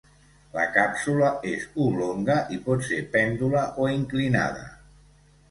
La càpsula és oblonga i pot ser pèndula o inclinada.